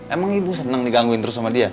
emang ibu seneng digangguin terus sama dia